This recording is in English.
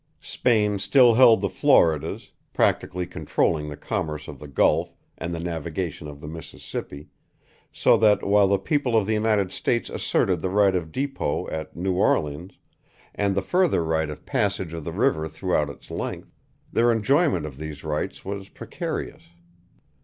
Spain still held the Floridas, practically controlling the commerce of the Gulf and the navigation of the Mississippi; so that, while the people of the United States asserted the right of dépôt at New Orleans and the further right of passage of the river throughout its length, their enjoyment of these rights was precarious.